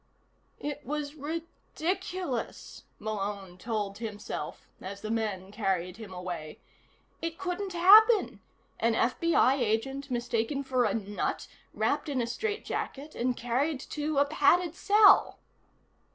It was ridiculous, Malone told himself as the men carried him away. It couldn't happen: an FBI agent mistaken for a nut, wrapped in a strait jacket and carried to a padded cell.